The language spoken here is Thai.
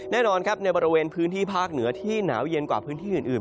แน่นอนครับในบริเวณพื้นที่ภาคเหนือที่หนาวเย็นกว่าพื้นที่อื่น